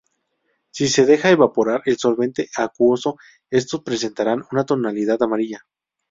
Si se deja evaporar el solvente acuoso, estos presentarán una tonalidad amarilla.